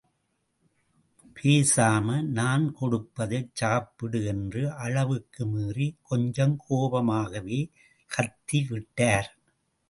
பேசாம நான் கொடுப்பதை சாப்பிடு என்று அளவுக்கு மீறி, கொஞ்சம் கோபமாகவே கத்தி விட்டார்.